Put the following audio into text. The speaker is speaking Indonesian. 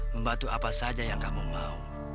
membantu apa saja yang kamu mau